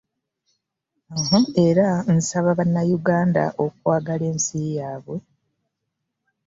Era n'asaba Bannayuganda okwagala ensi yaabwe